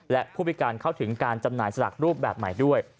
และผู้พิการเข้าถึงการจำหน่ายสลักรูปแบบใหม่ด้วย